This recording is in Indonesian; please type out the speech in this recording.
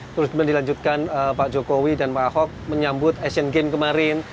terus dilanjutkan pak jokowi dan pak ahok menyambut asian games kemarin